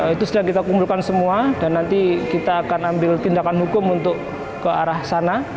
itu sudah kita kumpulkan semua dan nanti kita akan ambil tindakan hukum untuk ke arah sana